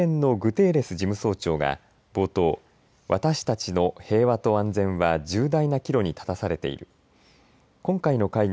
会議では国連のグテーレス事務総長が冒頭、私たちの平和と安全は重大な岐路に立たされている。